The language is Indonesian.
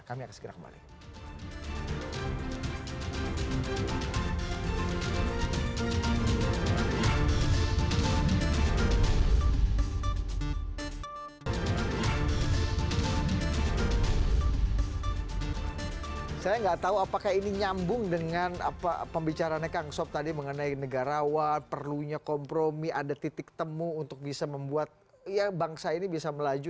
kami akan segera kembali